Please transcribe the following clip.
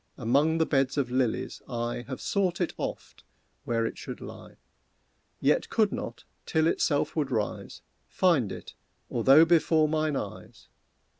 Among the beds of lilies I Have sought it oft where it should lie, Yet could not, till itself would rise, Find it, although before mine eyes.